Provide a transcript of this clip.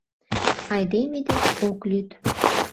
Айдеме деч ок лӱд.